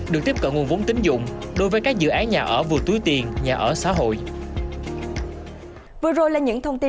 được tiếp cận nguồn vốn tính dụng